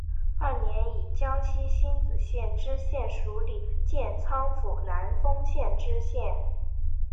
二年以江西星子县知县署理建昌府南丰县知县。